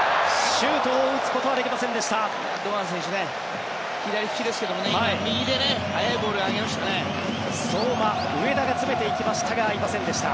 シュートを打つことはできませんでした。